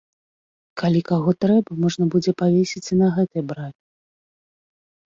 Калі каго трэба, можна будзе павесіць і на гэтай браме.